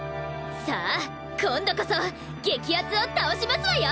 さあ今度こそゲキアツを倒しますわよ！